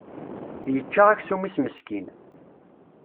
Yečča aksum-is meskin.